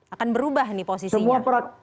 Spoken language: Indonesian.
akan berubah nih posisinya